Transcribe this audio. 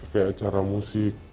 kaya acara musik